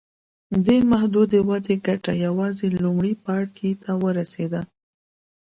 دې محدودې ودې ګټه یوازې لومړي پاړکي ته رسېده.